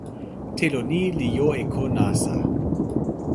telo ni li jo e ko nasa.